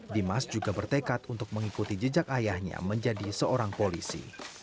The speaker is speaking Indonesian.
dimas juga bertekad untuk mengikuti jejak ayahnya menjadi seorang polisi